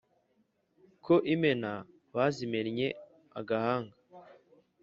ko imena bazimennye agahanga